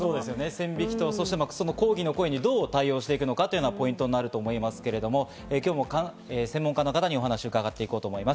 線引きと抗議の声にどう対応していくかがポイントになると思いますけど、今日も専門家の方にお話を伺って行こうと思います。